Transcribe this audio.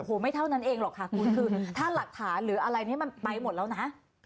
โอ้โหไม่เท่านั้นเองหรอกค่ะคุณคือถ้าหลักฐานหรืออะไรนี้มันไปหมดแล้วนะ